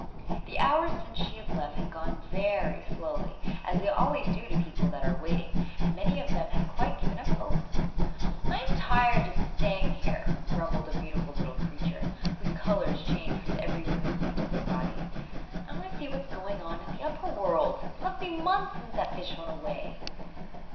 The hours since she had left had gone very slowly as they always do to people that are waiting and many of them had quite given up hope. 'I am tired of staying here,' grumbled a beautiful little creature, whose colours changed with every movement of her body, 'I want to see what is going on in the upper world. It must be months since that fish went away.